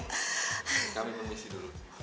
kami permisi dulu